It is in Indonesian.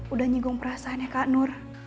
udah nyinggung perasaannya kak nur